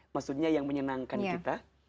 maksudnya yang menyenangkan kita